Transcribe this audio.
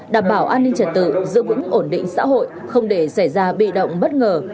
đảm bảo an ninh trật tự giữ vững ổn định xã hội không để xảy ra bị động bất ngờ